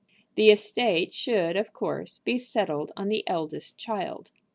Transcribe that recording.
The estate should, of course, be settled on the eldest child.